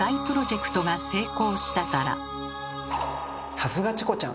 さすがチコちゃん！